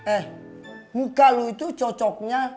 eh muka lu itu cocoknya